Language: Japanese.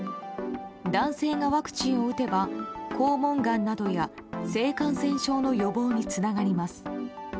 男性がワクチンを打てば肛門がんなどや性感染症の予防につながります。